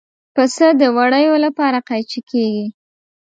پسه د وړیو لپاره قیچي کېږي.